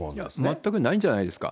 全くないんじゃないんですか。